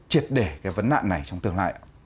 triệt để cái vấn nạn này trong tương lai ạ